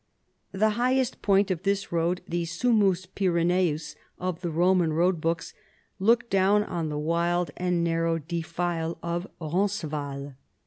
The highest point of this road, the " Summus Pyreneus " of the Roman road books, looked down on the wild and narrow defile of Roncesvalles.